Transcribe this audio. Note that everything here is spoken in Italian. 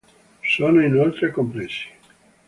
Sono inoltre compressi.